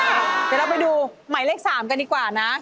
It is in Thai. เดี๋ยวเราไปดูหมายเลข๓กันดีกว่านะ